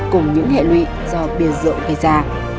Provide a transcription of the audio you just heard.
cùng những hệ lụy do bia rượu gây ra